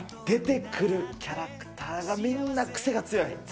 出てくるキャラクターが、みんな癖が強い。